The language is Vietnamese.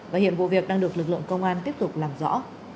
và hiện vụ việc đang được lực lượng công an tiếp tục làm rõ